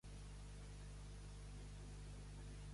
Per Sant Maties, ja són llargs els dies.